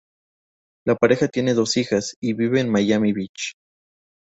La pareja tiene dos hijas y vive en Miami Beach.